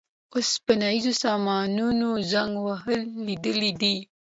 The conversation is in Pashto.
د اوسپنیزو سامانونو زنګ وهل لیدلي دي.